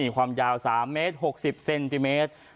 ความยาว๓เมตร๖๐เซนติเมตร